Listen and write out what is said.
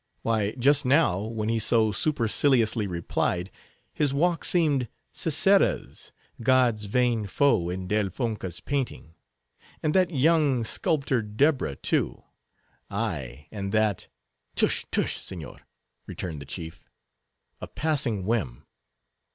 Why, just now, when he so superciliously replied, his walk seemed Sisera's, God's vain foe, in Del Fonca's painting. And that young, sculptured Deborah, too. Ay, and that—." "Tush, tush, Signor!" returned the chief. "A passing whim.